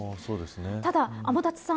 ただ、天達さん